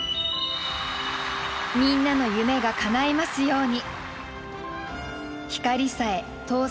みんなの夢がかないますように。